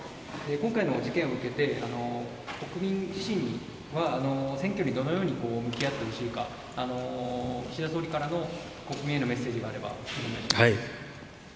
今回の事件を受けて国民自身には選挙に、どのように向き合ってほしいか岸田総理からの国民へのメッセージがあれば願いします。